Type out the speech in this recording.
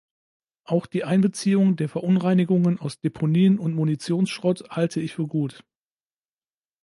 Auch die Einbeziehung der Verunreinigungen aus Deponien und Munitionsschrott halte ich für gut.